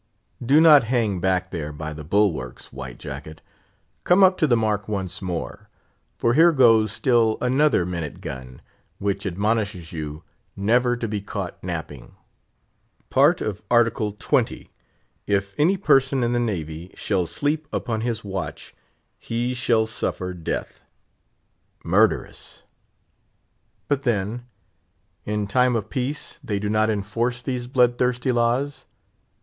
Do not hang back there by the bulwarks, White Jacket; come up to the mark once more; for here goes still another minute gun, which admonishes you never to be caught napping: Part of Art. XX. "If any person in the navy shall sleep upon his watch, he shall suffer death." Murderous! But then, in time of peace, they do not enforce these blood thirsty laws?